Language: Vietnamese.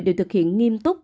đều thực hiện nghiêm túc